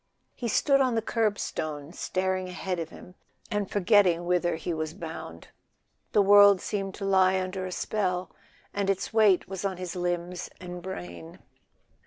He stood on the kerbstone, staring ahead of him and forgetting whither he was bound. The world seemed to lie under a spell, and its weight was on his limbs and brain.